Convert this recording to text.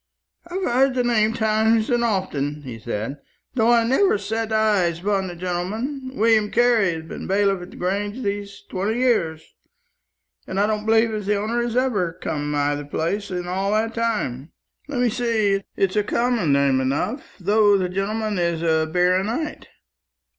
"I've heard the name times and often," he said, "though I never set eyes upon the gentleman. William Carley has been bailiff at the Grange these twenty years, and I don't believe as the owner has ever come nigh the place in all that time. Let me see, it's a common name enough, though the gentleman is a baronight.